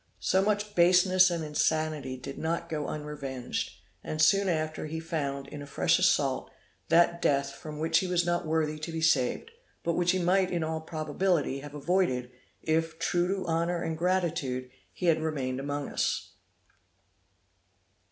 So much baseness and insanity did not go unrevenged; and soon after he found, in a fresh assault, that death from which he was not worthy to be saved, but which he might in all probability have avoided, if, true to honor and gratitude, he had remained among us.